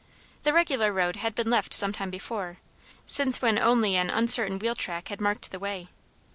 The regular road had been left some time before, since when only an uncertain wheel track had marked the way.